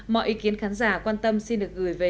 mọi ý kiến khán giả quan tâm xin được gửi về